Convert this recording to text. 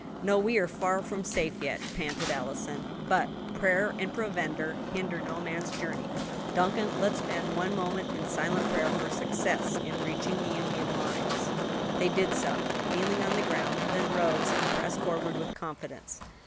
"No; we are far from safe yet," panted Allison, "but 'prayer and provender hinder no man's journey'; Duncan, let us spend one moment in silent prayer for success in reaching the Union lines." They did so, kneeling on the ground; then rose and pressed forward with confidence.